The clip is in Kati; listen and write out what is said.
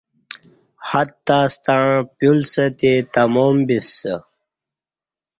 حدتاستݩع پیولستی تمام بیسہ